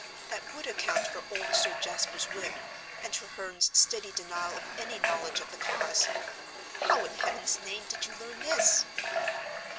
That would account for old Sir Jasper's whim, and Treherne's steady denial of any knowledge of the cause. How in heaven's name did you learn this?"